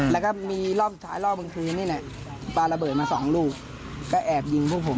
แล้วก็มีรอบสุดท้ายรอบกลางคืนนี่แหละปลาระเบิดมาสองลูกก็แอบยิงพวกผม